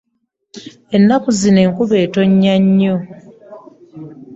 Ennaku zino enkuba tetonnya nnyo.